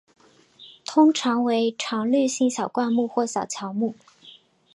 通常为常绿性小灌木或小乔木。